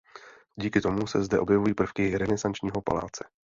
Díky tomu se zde objevují prvky renesančního paláce.